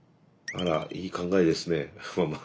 あらいい考えですねママ。